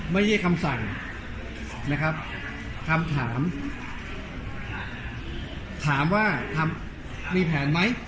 ไม่ใช่คำสั่งนะครับคำถามถามว่ามีแผนไหม